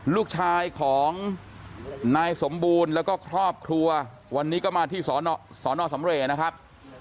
ลูกชายของนายสมบูรณ์แล้วก็ครอบครัววันนี้ก็มาที่สอนอสำเรย์นะครับ